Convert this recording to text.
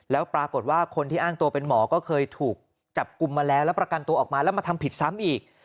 แล้วปรากฏว่าคนที่อ้างตัวเป็นหมอก็เคยถูกจับกลุ่มมาแล้วแล้วประกันตัวออกมาแล้วมาทำผิดซ้ำอีก